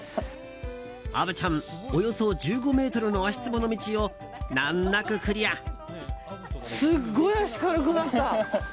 虻ちゃんおよそ１５ｍの足ツボの道を難なくクリア。